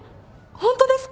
ホントですか？